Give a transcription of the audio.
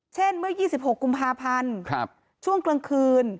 เมื่อ๒๖กุมภาพันธ์ช่วงกลางคืน